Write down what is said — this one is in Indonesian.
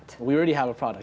ya kami sudah memiliki produk